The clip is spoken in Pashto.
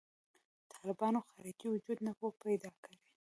طالبانو خارجي وجود نه و پیدا کړی.